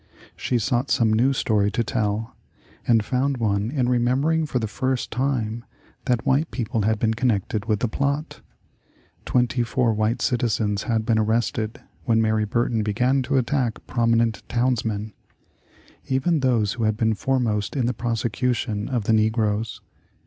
She sought some new story to tell, and found one in remembering for the first time that white people had been connected with the plot. Twenty four white citizens had been arrested, when Mary Burton began to attack prominent townsmen; even those who had been foremost in the prosecution of the negroes.